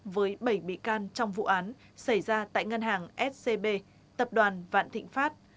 với bảy bị can trong vụ án xảy ra tại ngân hàng scb tập đoàn vạn thịnh pháp